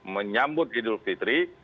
menyambut idul fitri